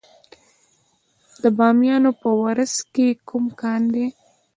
د بامیان په ورس کې کوم کان دی؟